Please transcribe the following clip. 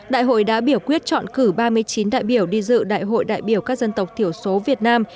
đại hội đã biểu quyết chọn cử ba mươi chín đại biểu đi dự đại hội đại biểu các dân tộc thiểu số việt nam